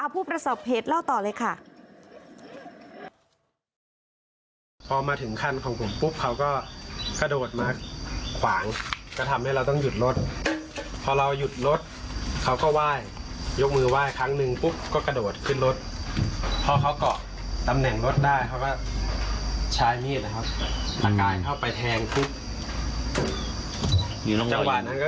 ผู้ประสบเหตุเล่าต่อเลยค่ะ